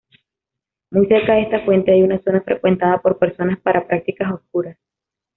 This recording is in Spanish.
Muy cerca de esta fuente hay una zona frecuentada por personas para prácticas oscuras.